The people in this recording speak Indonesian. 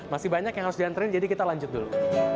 masih banyak yang harus diantarin jadi kita lanjut dulu